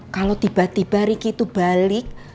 kalo tiba tiba riki tuh balik